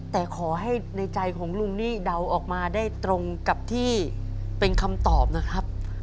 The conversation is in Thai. แต่ขอให้ในใจของลุงนี่เดาออกมาได้ตรงกับที่เป็นคำตอบนะครับ